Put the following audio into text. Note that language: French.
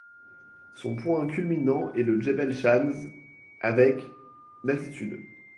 Son point culminant est le djebel Shams, avec d'altitude.